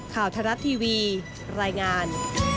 ข่าวไทยรัฐทีวีรายงาน